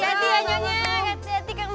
ya minggu ya